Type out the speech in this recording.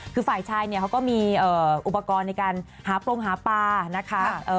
คือฝ่ายชายเนี่ยเขาก็มีอุปกรณ์ในการหาปรงหาปลานะคะ